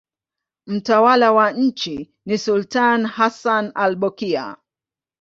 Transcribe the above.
Mtawala wa nchi ni sultani Hassan al-Bolkiah.